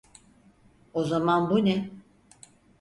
O zaman bu ne?